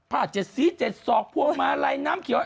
ผ้าเจ็ดสีเจ็ดสอกผัวมาลัยน้ำเขียว